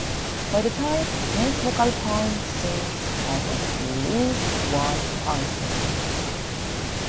By that time, most local punk scenes had at least one punkzine.